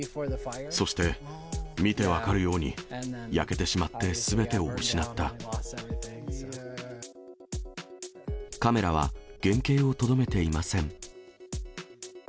そして、見て分かるように焼けてカメラは、原形をとどめていません。